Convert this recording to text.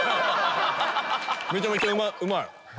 めちゃめちゃうまい！